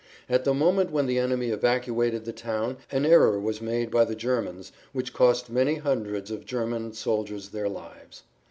At the moment when the enemy evacuated the town an error was made by the Germans which cost many hundreds of German soldiers their lives.